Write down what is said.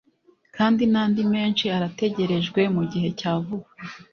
kandi n’andi menshi arategerejwe mu gihe cya vuba